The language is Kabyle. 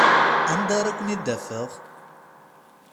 Anda ara ken-id-afeɣ?